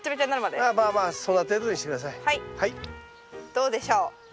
どうでしょう？